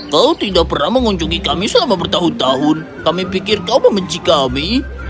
kau tidak pernah mengunjungi kami selama bertahun tahun kami pikir kau membenci kami